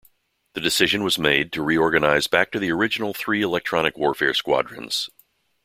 The decision was made to reorganize back to the original three electronic warfare squadrons.